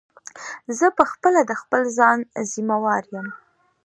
زه په خپله د خپل ځان ضیموار یم.